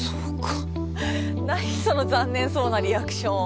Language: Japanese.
何その残念そうなリアクション。